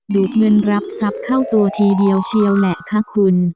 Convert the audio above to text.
เงินรับทรัพย์เข้าตัวทีเดียวเชียวแหละค่ะคุณ